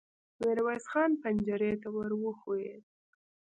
ميرويس خان پنجرې ته ور وښويېد.